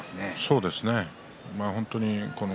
そうですね。